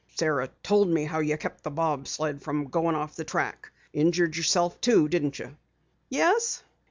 "Sara told me how you kept the bob sled from going off the track. Injured yourself, too, didn't you?" "Yes."